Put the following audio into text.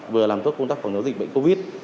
vừa làm tốt công tác phòng chống dịch bệnh covid